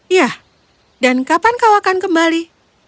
iya dan kapan kau akan kembali